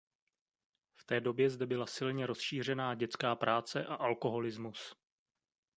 V té době zde byla silně rozšířená dětská práce a alkoholismus.